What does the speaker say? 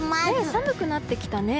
寒くなってきたね。